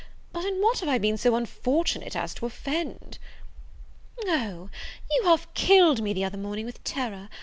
But in what have I been so unfortunate as to offend?" "O, you half killed me the other morning, with terror!